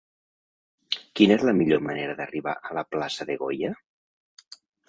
Quina és la millor manera d'arribar a la plaça de Goya?